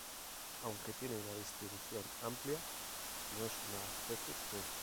Aunque tiene una distribución amplia, no es una especie común.